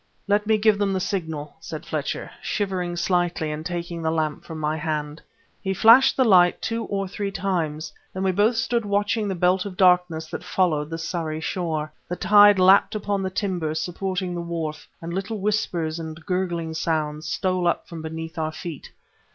"Let me give them the signal," said Fletcher, shivering slightly and taking the lamp from my hand. He flashed the light two or three times. Then we both stood watching the belt of darkness that followed the Surrey shore. The tide lapped upon the timbers supporting the wharf and little whispers and gurgling sounds stole up from beneath our feet.